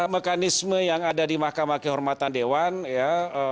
mekanisme yang ada di mahkamah kehormatan dewan ya